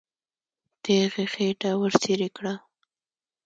تیغ یې خېټه ورڅېړې کړه.